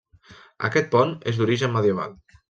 Aquest pont és d'origen medieval.